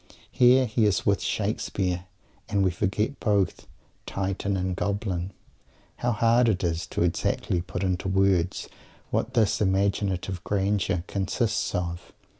Here he is "with Shakespeare" and we forget both Titan and Goblin. How hard it is exactly to put into words what this "imaginative grandeur" consists of!